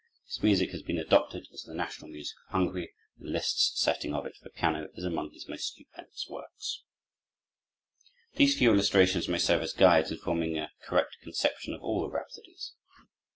This march has been adopted as the national march of Hungary, and Liszt's setting of it for piano is among his most stupendous works. These few illustrations may serve as guides in forming a correct conception of all the Rhapsodies.